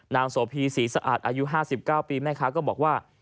โสพีศรีสะอาดอายุ๕๙ปีแม่ค้าก็บอกว่า